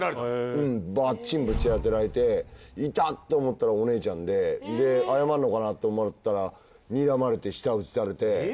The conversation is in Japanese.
うんバッチンブチ当てられて痛って思ったらお姉ちゃんでで謝るのかなって思ったらにらまれて舌打ちされて。